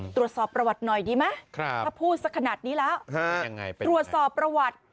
ตรวจสอบประวัติหน่อยดีไหมถ้าพูดสักขนาดนี้แล้วตรวจสอบประวัติ